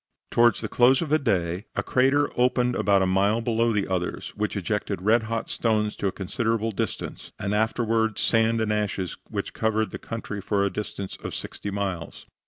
Towards the close of the day a crater opened about a mile below the others, which ejected red hot stones to a considerable distance, and afterward sand and ashes which covered the country for a distance of sixty miles.